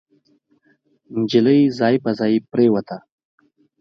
نجلۍ ځای پر ځای پريوته.